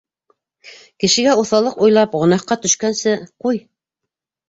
Кешегә уҫаллыҡ уйлап гонаһҡа төшкәнсе, ҡуй!